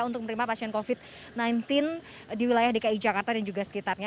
untuk menerima pasien covid sembilan belas di wilayah dki jakarta dan juga sekitarnya